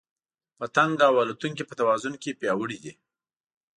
پتنګ او الوتونکي په توازن کې پیاوړي دي.